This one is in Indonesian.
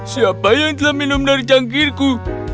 siapa yang telah minum dari cangkirku